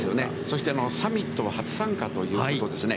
そしてサミット初参加ということですね。